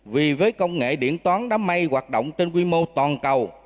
vì với công nghệ điện toán đam mê hoạt động trên quy mô toàn cầu